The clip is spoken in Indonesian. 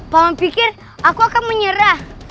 pak man pikir aku akan menyerah